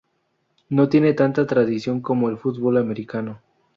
No tiene tanta tradición como el fútbol americano.